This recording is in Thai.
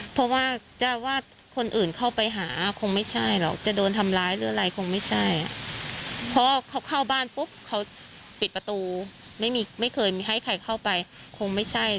เพราะว่าเข้าบ้านปุ๊บเขาปิดประตูไม่มีไม่เคยมีให้ใครเข้าไปคงไม่ใช่